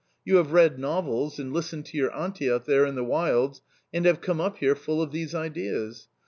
You have read novels, and listened to your auntie out there in the wilds, and have come up here full of these ideas.